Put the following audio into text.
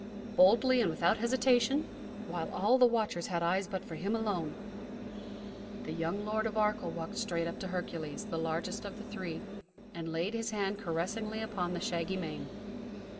Boldly and without hesitation, while all the watchers had eyes but for him alone, the young Lord of Arkell walked straight up to Hercules, the largest of the three, and laid his hand caressingly upon the shaggy mane.